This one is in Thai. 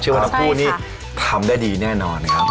ว่าทั้งคู่นี่ทำได้ดีแน่นอนนะครับ